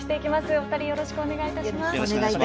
お二人、よろしくお願いします。